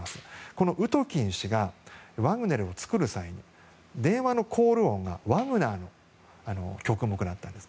このウトキン氏がワグネルを作る際電話のコール音がワグナーの曲目だったんです。